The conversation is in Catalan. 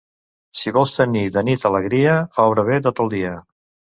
Si vols tenir de nit alegria, obra bé tot el dia.